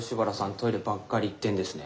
トイレばっかり行ってんですね。